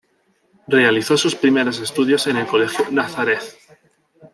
Realizó sus primeros estudios en el colegio Nazareth.